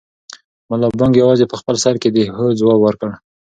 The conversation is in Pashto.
ملا بانګ یوازې په خپل سر کې د هو ځواب ورکړ.